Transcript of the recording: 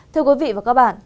thưa quý vị và các bạn